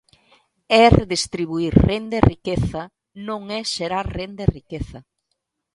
E redistribuír renda e riqueza non é xerar renda e riqueza.